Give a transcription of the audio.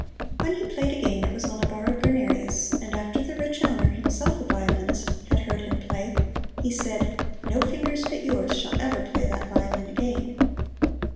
When he played again it was on a borrowed "Guarnerius," and after the rich owner, himself a violinist, had heard him play, he said, "No fingers but yours shall ever play that violin again!"